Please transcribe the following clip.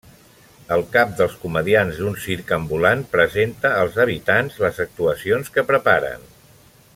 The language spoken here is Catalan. El cap dels comediants d'un circ ambulant presenta als habitants les actuacions que preparen.